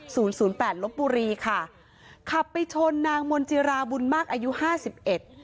ศูนย์ศูนย์แปดลบบุรีค่ะขับไปชนนางมนจิราบุญมากอายุห้าสิบเอ็ด